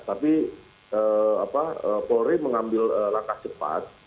tapi polri mengambil langkah cepat